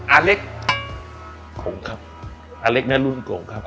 อาเล็กกงครับอาเล็กนะรุ่นกงครับ